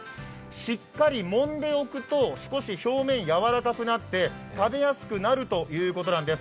しっかりもんでおくと、少し表面、やわらかくなって食べやすくなるということなんです。